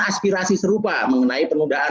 aspirasi serupa mengenai pengundahan